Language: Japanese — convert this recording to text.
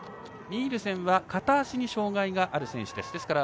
ニールセンは片足に障がいがある選手です。